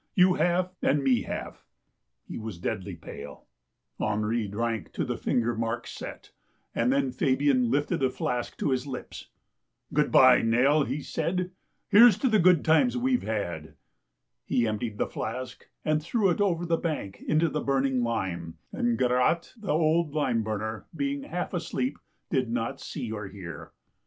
You half, and me half." He was deadly pale. THE STORY OF THE LIME BURNER 179 Henri drank to the finger mark set, and then Fabian lifted the flask to his hps. " Good bye, Nell !" he said. '* Here's to the good times we've had !" He emptied the flask, and threw it over the bank into the burning lime, and Garotte, the old lime burner, being half asleep, did not see or hear.